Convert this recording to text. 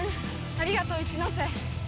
ありがとう一ノ瀬。